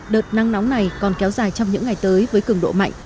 đợt nắng nóng này còn kéo dài trong những ngày tới với cường độ mạnh